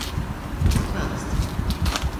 Вот радость!